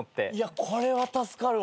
これは助かるわ。